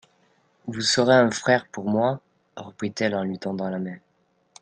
Vous serez un frère pour moi ? reprit-elle en lui tendant la main.